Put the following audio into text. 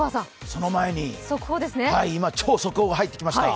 その前に今、超速報が入ってきました。